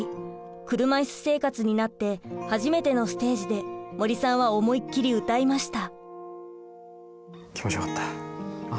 車イス生活になって初めてのステージで森さんは思いっきり歌いました。